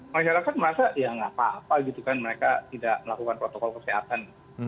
masyarakat merasa ya nggak apa apa gitu kan mereka tidak melakukan protokol kesehatan